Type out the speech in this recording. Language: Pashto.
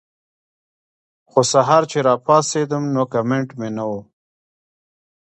خو سحر چې راپاسېدم نو کمنټ مې نۀ وۀ